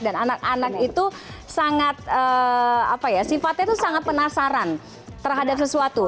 dan anak anak itu sangat apa ya sifatnya itu sangat penasaran terhadap sesuatu